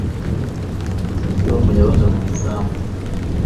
Tom yabaga mu isambu